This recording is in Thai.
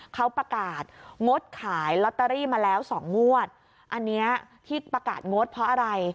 เขาประกาศงดขายลอตเตอรี่มาแล้วสองงวดอันเนี้ยที่ประกาศงดเพราะอะไร